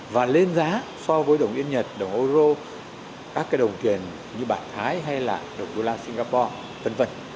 và lên giá so với đồng yên nhật đồng euro các đồng tiền như bản thái hay đồng đô la singapore